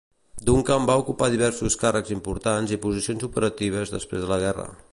Duncan va ocupar diversos càrrecs importants i posicions operatives després de la guerra.